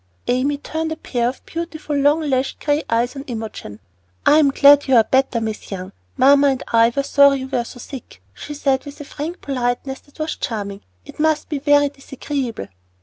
Amy turned a pair of beautiful, long lashed, gray eyes on Imogen. "I'm glad you're better, Miss Young. Mamma and I were sorry you were so sick," she said, with a frank politeness that was charming. "It must be very disagreeable."